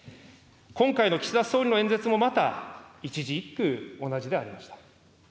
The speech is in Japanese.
今回の岸田総理の演説もまた、一字一句同じでありました。